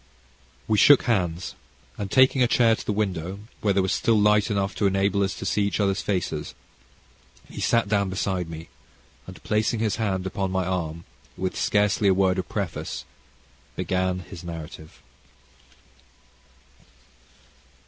We shook hands, and, taking a chair to the window, where there was still light enough to enable us to see each other's faces, he sat down beside me, and, placing his hand upon my arm, with scarcely a word of preface began his narrative.